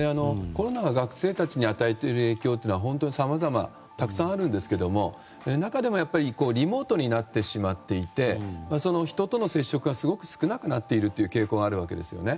コロナが学生たちに与えている影響というのは本当にさまざまたくさんあるんですけども中でもリモートになってしまっていて人との接触がすごく少なくなっている傾向があるわけですね。